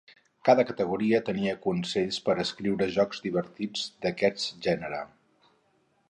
Cada categoria tenia consells per escriure jocs divertits d'aquest gènere.